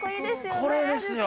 これですよ！